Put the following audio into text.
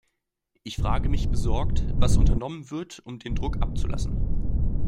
Ich frage mich besorgt, was unternommen wird, um den Druck abzulassen.